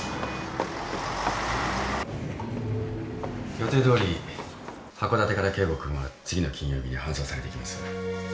予定どおり函館から圭吾君は次の金曜日に搬送されてきます。